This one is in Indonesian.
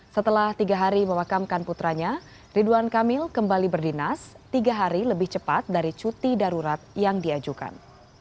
setelah tiga hari memakamkan putranya ridwan kamil kembali berdinas tiga hari lebih cepat dari cuti darurat yang diajukan